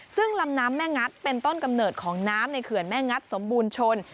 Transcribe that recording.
ซึ่งลำน้ำแม่งัดเป็นต้นกำเนิดของน้ำในเขื่อนแม่งัดสมบูรณ์ชน